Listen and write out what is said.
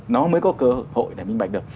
nó mới có cơ hội để minh bạch được